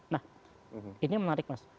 nah ini menarik mas